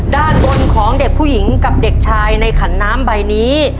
ด้านบนของเด็กผู้หญิงกับเด็กชายในขันน้ำใบนี้